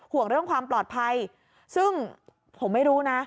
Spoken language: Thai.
ห่วงเรื่องความปลอดภัยซึ่งผมไม่รู้นะ